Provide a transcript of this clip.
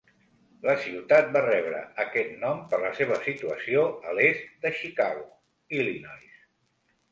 La ciutat va rebre aquest nom per la seva situació a l'est de Chicago, Illinois.